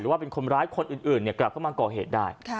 หรือว่าเป็นคนร้ายคนอื่นกลับมาก่อเหตุได้